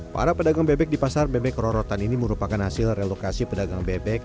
para pedagang bebek di pasar bebek rorotan ini merupakan hasil relokasi pedagang bebek